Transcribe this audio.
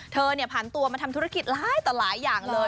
เธอเนี่ยพันตัวมาทำธุรกิจหลายหลายอย่างเลย